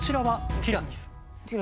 ティラミス。